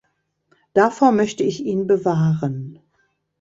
Davor möchte ich ihn bewahren.